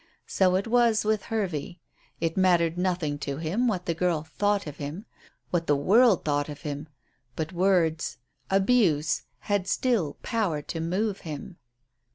So it was with Hervey. It mattered nothing to him what the girl thought of him what the world thought of him. But words abuse had still power to move him.